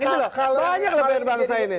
banyak lah bangsa ini